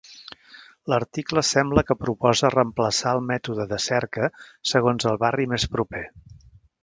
L'article sembla que proposa reemplaçar el mètode de cerca segons el barri més proper.